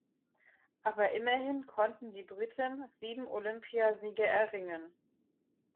Aber immerhin konnten die Briten sieben Olympiasiege erringen.